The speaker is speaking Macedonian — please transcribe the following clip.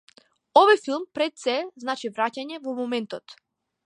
Овој филм, пред сѐ, значи враќање во моментот.